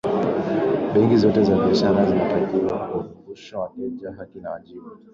benki zote za biashara zinatakiwa kuwakumbusha wateja haki na wajibu